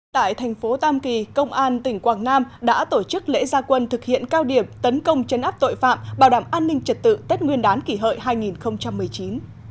tại thành phố tam kỳ công an tỉnh quảng nam đã tổ chức lễ gia quân thực hiện cao điểm tấn công chấn áp tội phạm bảo đảm an ninh trật tự tết nguyên đán kỷ hợi hai nghìn một mươi chín